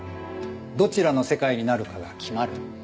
どちらの世界になるかが決まる。